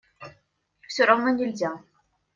Все равно нельзя.